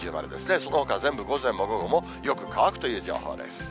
そのほかは全部午前も午後も、よく乾くという情報です。